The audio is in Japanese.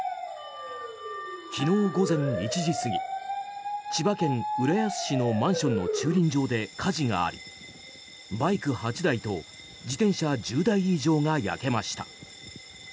昨日午前１時過ぎ千葉県浦安市のマンションの駐輪場で火事がありバイク８台と自転車１０台以上が焼けました。